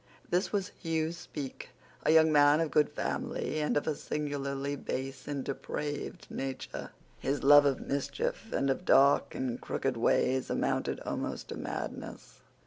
This was Hugh Speke, a young man of good family, but of a singularly base and depraved nature. His love of mischief and of dark and crooked ways amounted almost to madness.